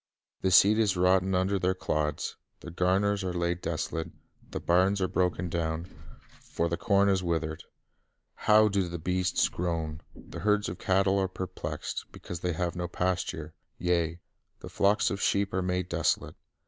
... The seed is rotten under their clods, the garners are laid desolate, the barns are broken down; for the corn is withered. How do the beasts groan! the herds of cattle are perplexed, because then have no pasture; yea, the flocks of sheep are made desolate."